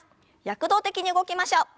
躍動的に動きましょう。